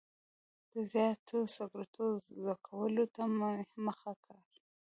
د زیاتو سګرټو څکولو ته مې مخه کړه.